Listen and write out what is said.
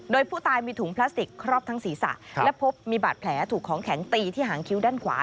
โดยผู้ตายมีถุงพลาสติกครอบทั้งศีรษะและพบมีบาดแผลถูกของแข็งตีที่หางคิ้วด้านขวา